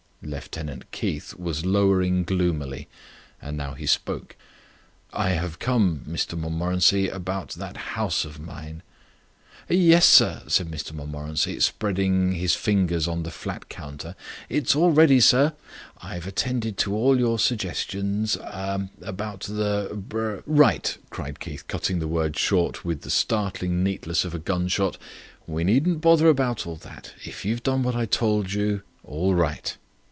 Lieutenant Keith was lowering gloomily, and now he spoke. "I have come, Mr Montmorency, about that house of mine." "Yes, sir," said Montmorency, spreading his fingers on the flat counter. "It's all ready, sir. I've attended to all your suggestions er about the br " "Right," cried Keith, cutting the word short with the startling neatness of a gunshot. "We needn't bother about all that. If you've done what I told you, all right."